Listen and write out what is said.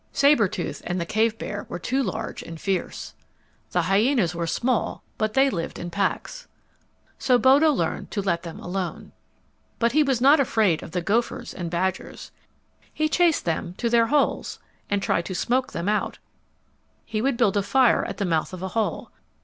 Sabre tooth and the cave bear were too large and fierce. The hyenas were small, but they lived in packs. So Bodo learned to let them alone. [Illustration: "Bodo would build a fire at the mouth of the hole"] But he was not afraid of the gophers and badgers. He chased them to their holes and tried to smoke them out. He would build a fire at the mouth of a hole.